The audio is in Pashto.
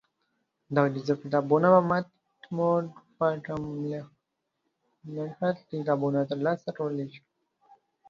د غږیزو کتابونو په مټ موږ په کم لګښت کتابونه ترلاسه کولی شو.